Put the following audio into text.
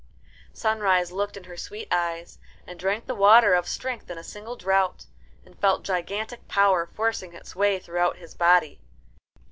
Sunrise looked in her sweet eyes, and drank the water of strength in a single draught, and felt gigantic power forcing its way throughout his body.